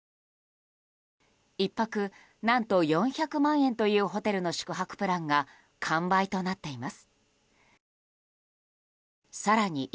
１泊何と４００万円というホテルの宿泊プランが完売となっています。